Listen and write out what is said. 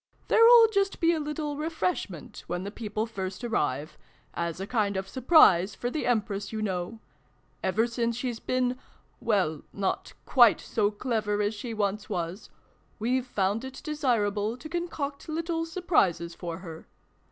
There'll just be a little refreshment, when the people first arrive as a kind of surprise for the Empress, you know. Ever since she's been well, not quite so clever as she xx] GAMMON AND SPINACH. 313 once was we've found it desirable to con coct little surprises for her.